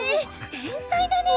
天才だね！